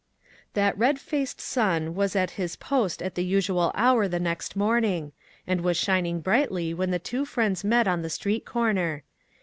That red faced sun was at his post at the usual hour the next morning, and was shining brightly when the two friends met on the street corner.